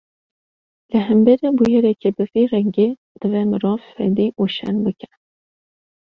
Li hemberî bûyereke bi vî rengî, divê mirov fedî û şerm bike